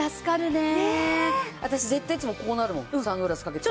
私絶対いつもこうなるもんサングラスかけてたら。